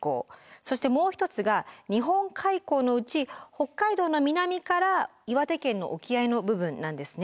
そしてもう一つが日本海溝のうち北海道の南から岩手県の沖合の部分なんですね。